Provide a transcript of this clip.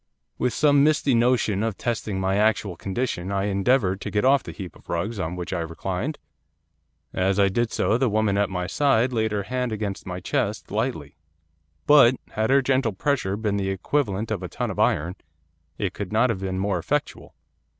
'With some misty notion of testing my actual condition I endeavoured to get off the heap of rugs on which I reclined. As I did so the woman at my side laid her hand against my chest, lightly. But, had her gentle pressure been the equivalent of a ton of iron, it could not have been more effectual.